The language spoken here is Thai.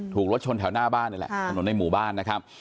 รถชนแถวหน้าบ้านนี่แหละถนนในหมู่บ้านนะครับ